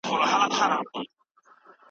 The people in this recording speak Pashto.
هغه په خونه کي يوازي ناسته ده.